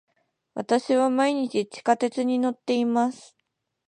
私は毎日地下鉄に乗っています。